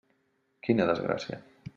Quina desgràcia!